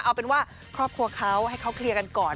เอาเป็นว่าครอบครัวเขาให้เขาเคลียร์กันก่อน